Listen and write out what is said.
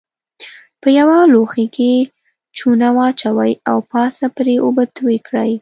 په یوه لوښي کې چونه واچوئ او پاسه پرې اوبه توی کړئ.